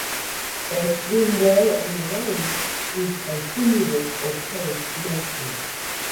They swim well on their own, with a sinuous, or curved, motion.